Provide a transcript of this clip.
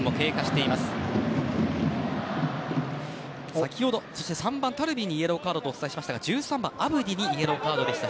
先ほど、３番のタルビにイエローカードとお伝えしましたが１３番、アブディにイエローカードでした。